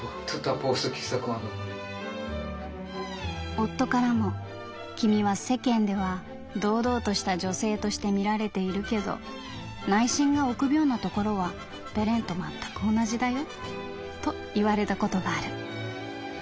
「夫からも『君は世間では堂々とした女性として見られているけど内心が臆病なところはベレンと全く同じだよ』と言われたことがある」。